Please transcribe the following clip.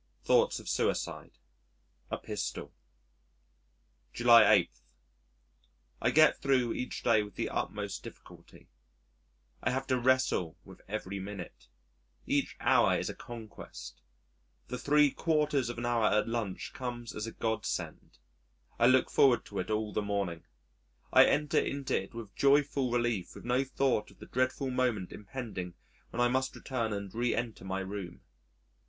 Thoughts of suicide a pistol. July 8. I get thro' each day with the utmost difficulty. I have to wrestle with every minute. Each hour is a conquest. The three quarters of an hour at lunch comes as a Godsend. I look forward to it all the morning, I enter into it with joyful relief with no thought of the dreadful moment impending when I must return and re enter my room.